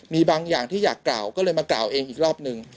มีบางอย่างที่อยากกล่าวก็เลยมากล่าวเองอีกรอบหนึ่ง